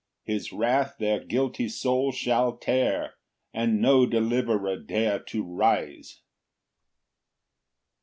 His wrath their guilty souls shall tear, And no deliverer dare to rise.